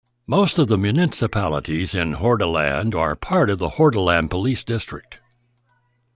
Most of the municipalities in Hordaland are part of the Hordaland police district.